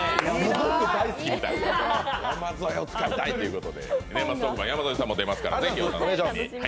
山添を使いたいということで年末特番、山添さんも出ますからぜひお楽しみに。